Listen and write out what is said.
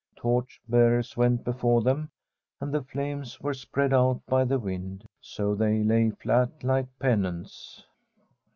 Torch bearers went before them, and the flames were spread out by the wind, so that they lay flat, like pennants.